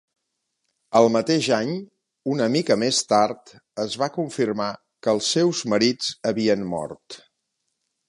El mateix any, una mica més tard, es va confirmar que els seus marits havien mort.